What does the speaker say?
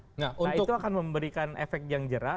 nah itu akan memberikan efek yang jerah